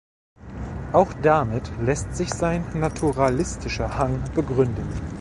Auch damit lässt sich sein naturalistischer Hang begründen.